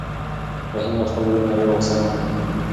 رحیم له خپل ورور نه ډېر غوسه ناک دی.